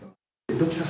どちら様？